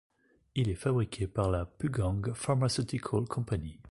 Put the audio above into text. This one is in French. Il est fabriqué par la Pugang Pharmaceutical Company.